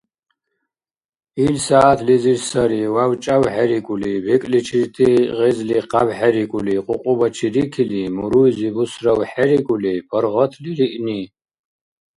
Ил сягӀятлизир сари вяв-чӀярхӀерикӀули, бекӀличирти гъезли къябхӀерикӀули, кьукьубачи рикили муруйзи бусравхӀерикӀули, паргъатли риъни.